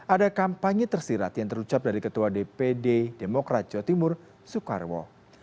ada kampanye tersirat yang terucap dari ketua dpd demokrat jawa timur soekarwo